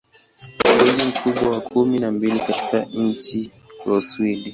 Ni mji mkubwa wa kumi na mbili katika nchi wa Uswidi.